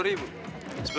dua deh sama yang itu